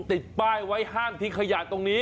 ติดป้ายไว้ห้ามทิ้งขยะตรงนี้